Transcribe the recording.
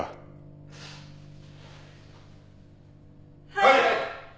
はい！